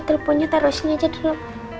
teleponnya taruh sini aja dulu